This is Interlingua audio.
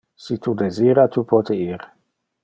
Si tu desira, tu pote ir.